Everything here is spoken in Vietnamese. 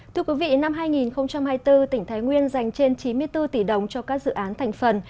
thưa quý vị năm hai nghìn hai mươi bốn tỉnh thái nguyên dành trên chín mươi bốn tỷ đồng cho các dự án thành phần